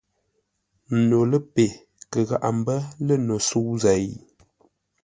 No ləpe kə gháʼa mbə́ lə̂ no sə̌u zêi ?